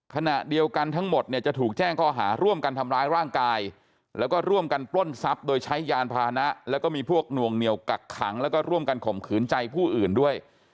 ขณะเดียวกันทั้งหมดเนี่ยจะถูกแจ้งข้อหาร่วมกันทำร้ายร่างกายแล้วก็ร่วมกันปล้นทรัพย์โดยใช้ยานพานะแล้วก็มีพวกหน่วงเหนียวกักขังแล้วก็ร่วมกันข่มขืนใจผู้อื่นด้วย